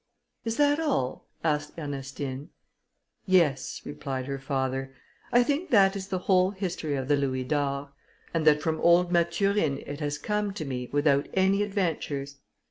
"Is that all?" asked Ernestine. "Yes," replied her father, "I think that is the whole history of the louis d'or; and that from old Mathurine it has come to me, without any adventures."